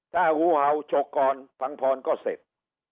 ถ้าหูเอาฉกก่อนพังพรก็เสร็จ